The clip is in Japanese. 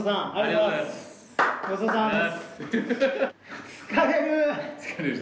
ごちそうさまです。